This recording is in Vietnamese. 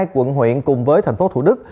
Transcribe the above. hai mươi hai quận huyện cùng với tp thủ đức